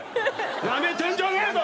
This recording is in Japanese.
なめてんじゃねえぞ！